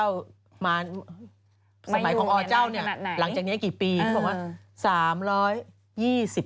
สมัยของอาจลงจำงวันนี้หลังจากนี้กี่ปี